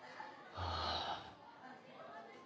ああ。